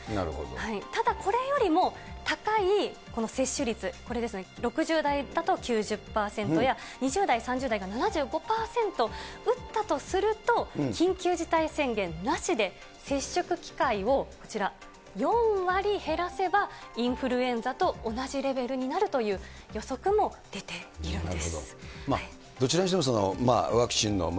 ただ、これよりも高いこの接種率、これですね、６０代だと９０％や、２０代、３０代が７５％打ったとすると、緊急事態宣言なしで接触機会をこちら、４割減らせば、インフルエンザと同じレベルになるという予測も出ているんです。